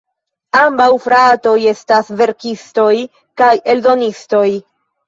Ambaŭ fratoj estas verkistoj kaj eldonistoj.